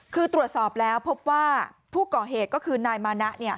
คือตรวจสอบแล้วพบว่าผู้ก่อเหตุก็คือนายมานะ